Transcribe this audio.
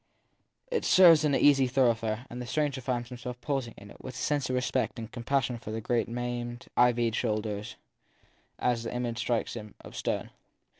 It serves as an easy thoroughfare, and the stranger finds himself pausing in it with a sense of respect and compassion for the great maimed, ivied shoulders as the image strikes him of stone.